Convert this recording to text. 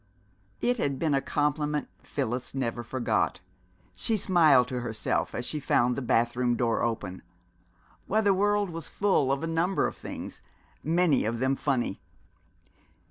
It had been a compliment Phyllis never forgot. She smiled to herself as she found the bathroom door open. Why, the world was full of a number of things, many of them funny.